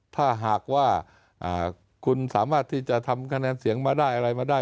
ถ้าหากว่าคุณสามารถที่จะทำคะแนนเสียงมาได้อะไรมาได้